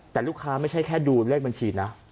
แต่ลูกค้าไม่ใช่แค่ดูเลขบัญชีนะ